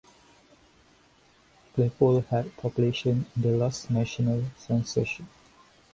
Claypole had population in the last national censorship.